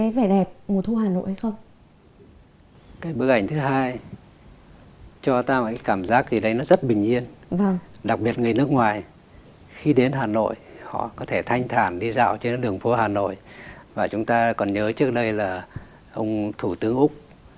và các nguyên thủ nước ngoài có thể thanh thản đi dạo thanh thản tập thể dục